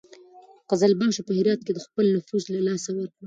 قزلباشو په هرات کې خپل نفوذ له لاسه ورکړ.